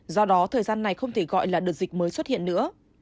do đó thời gian này không thể gọi là đợt dịch mới xuất hiện nữa